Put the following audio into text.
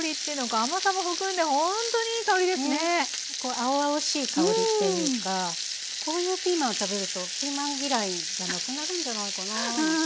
青々しい香りっていうかこういうピーマンを食べるとピーマン嫌いがなくなるんじゃないかななんて思ったりして。